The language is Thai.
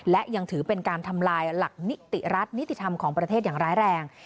และยังถือเป็นการทำลายหลักนิติรัฐนิติธรรมของประเทศอย่างร้ายแรง